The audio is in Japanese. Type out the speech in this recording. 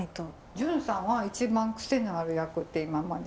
ジュンさんは一番クセのある役って今まで。